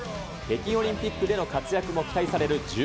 北京オリンピックでの活躍も期待される